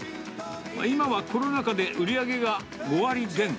今はコロナ禍で売り上げが５割減。